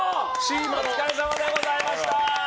お疲れさまでございました。